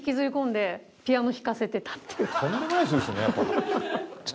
とんでもない人ですよねやっぱ。